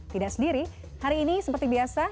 tidak sendiri hari ini seperti biasa